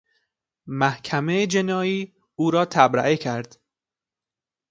محکمهٔ جنائی او را تبرئه کرد.